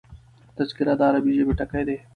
تذکره د عربي ژبي ټکی دﺉ.